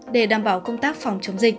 để đảm bảo công tác phòng chống dịch